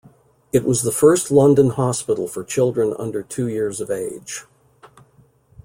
It was the first London hospital for children under two years of age.